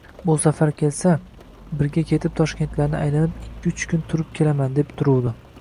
Bu safar kelsa, birga ketib Toshkentlarni aylanib ikki-uch kun turib kelaman, deb turuvdim